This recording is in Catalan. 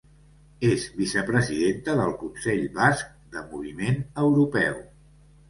És Vicepresidenta del Consell Basc de Moviment Europeu.